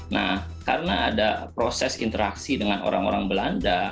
nah karena ada proses interaksi dengan orang orang belanda